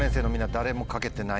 誰も書けてない？